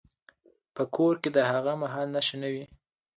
په کور کې د هغه مهال نښې نه وې.